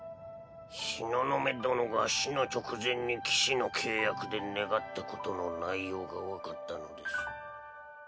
東雲殿が死の直前に騎士の契約で願ったことの内容が分かったのです。